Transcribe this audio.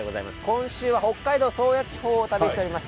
今週は北海道宗谷地方を旅しております。